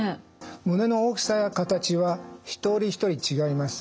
胸の大きさや形は一人一人違います。